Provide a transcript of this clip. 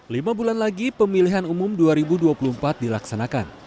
lima bulan lagi pemilihan umum dua ribu dua puluh empat dilaksanakan